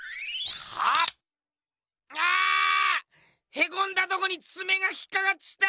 へこんだとこにつめが引っかかっちった！